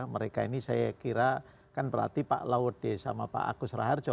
mereka ini saya kira kan berarti pak laude sama pak agus raharjo